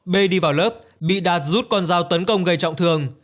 b đi vào lớp bị đạt rút con dao tấn công gây trọng thương